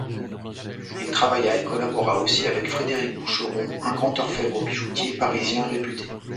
Il travailla et collabora aussi avec Frédéric Boucheron, un grand orfèvre-bijoutier parisien réputé.